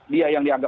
dia yang dianggap